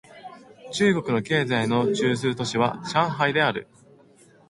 中国の経済の中枢都市は上海である